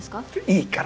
いいから。